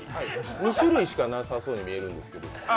２種類しかなさそうに見えるんですけど。